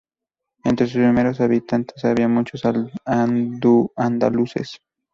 Entre sus primeros habitantes había muchos andaluces.